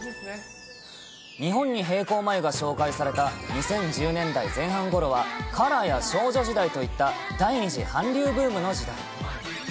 日本に平行眉が紹介された２０１０年代前半ごろは、ＫＡＲＡや少女時代といった、第２次韓流ブームの時代。